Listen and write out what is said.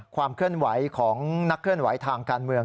ความเคลื่อนไหวของนักเคลื่อนไหวทางการเมือง